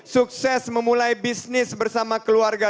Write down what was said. sukses memulai bisnis bersama keluarga